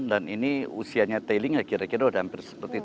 dan ini usianya tailing ya kira kira sudah hampir seperti itu